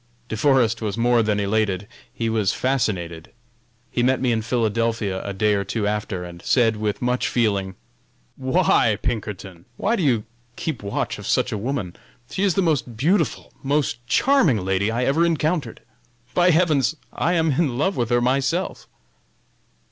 De Forest was more than elated, he was fascinated. He met me in Philadelphia a day or two after and said with much feeling: "Why, Pinkerton, why do you keep watch of such a woman? She is the most beautiful, most charming lady I ever encountered! By heavens! I am in love with her myself!"